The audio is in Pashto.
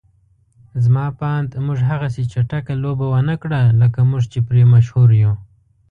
زما په اند موږ هغسې چټکه لوبه ونکړه لکه موږ چې پرې مشهور يو.